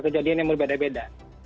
kejadian yang berbeda beda